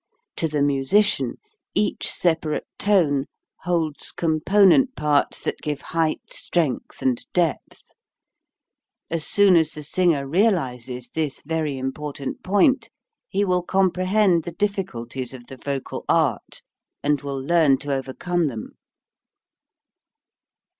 To the musician each separate tone holds component parts that give height, strength, and depth. As soon as the singer realizes this very important point, he will comprehend the difficulties of the vocal art and will learn to overcome them.